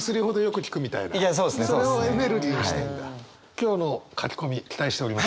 今日の書き込み期待しております。